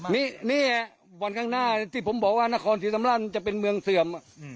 นี่วันข้างหน้าที่ผมบอกว่านครศรีธรรมราชจะเป็นเมืองเสื่อม